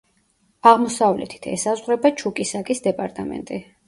აღმოსავლეთით ესაზღვრება ჩუკისაკის დეპარტამენტი.